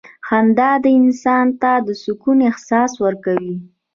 • خندا انسان ته د سکون احساس ورکوي.